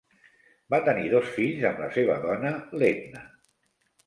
Va tenir dos fills amb la seva dona, l'Edna.